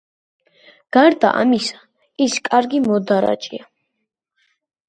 გარდა ამისა, ის კარგი მოდარაჯეა.